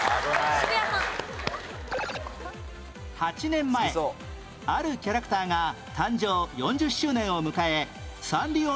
８年前あるキャラクターが誕生４０周年を迎えサンリオ